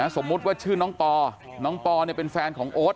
สมมุติว่าชื่อน้องปอน้องปอเนี่ยเป็นแฟนของโอ๊ต